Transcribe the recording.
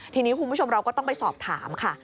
ทีนี้คุณผู้ชมเราก็ต้องไปสอบถามค่ะ